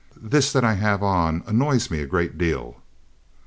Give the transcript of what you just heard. This that I have on annoys me a great deal."